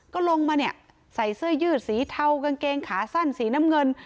ก็ลงมาเนี่ยใส่เสื้อยืดสีเทากางเกงขาสั้นสีน้ำเงิน